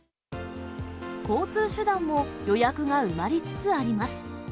交通手段も予約が埋まりつつあります。